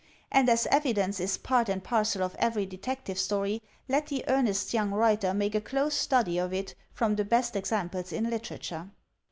And as evidence is part and parcel of every Detective Story, let the earnest young writer make a close study of it from the best ex amples in literature.